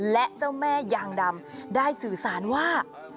และเจ้าแม่ยางดำได้สื่อสารว่า